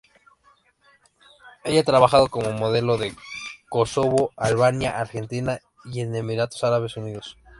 Ella ha trabajado como modelo en Kosovo, Albania, Argentina y en Emiratos Árabes Unidos.